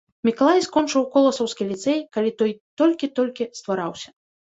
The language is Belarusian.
Мікалай скончыў коласаўскі ліцэй, калі той толькі-толькі ствараўся.